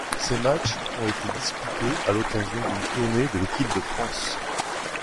Ces matchs ont été disputés à l’occasion d’une tournée de l’équipe de France.